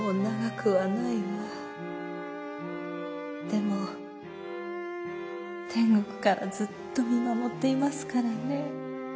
でもてんごくからずっとみまもっていますからね」。